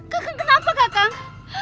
kekang kenapa kakang